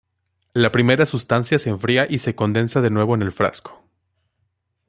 La primera sustancia se enfría y se condensa de nuevo en el frasco.